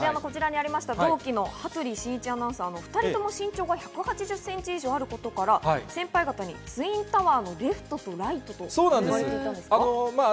同期の羽鳥慎一アナウンサーと、お２人とも身長が１８０ｃｍ以上あることから先輩方にツインタワーのレフトとライトと呼ばれていたんですか？